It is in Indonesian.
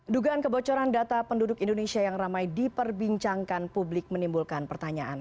dugaan kebocoran data penduduk indonesia yang ramai diperbincangkan publik menimbulkan pertanyaan